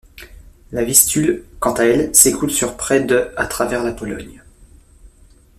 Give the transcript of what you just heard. La Vistule quant à elle s’écoule sur près de à travers la Pologne.